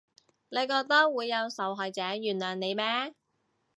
你覺得會有受害者原諒你咩？